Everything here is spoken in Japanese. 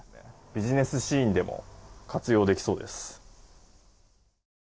ビジネスシーンでも活用できそうです。